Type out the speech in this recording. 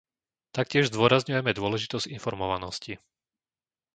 Taktiež zdôrazňujeme dôležitosť informovanosti.